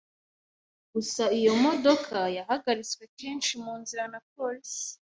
Gusa iyo modoka yahagaritswe kenshi mu nzira na Polisi